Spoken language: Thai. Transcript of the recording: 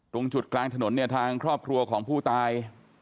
ตรงจุดกลางถนนเนี่ยทางครอบครัวของผู้ตาย